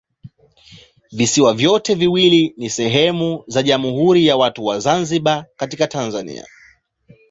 Visiwa vyote viwili ni sehemu za Jamhuri ya Watu wa Zanzibar katika Tanzania.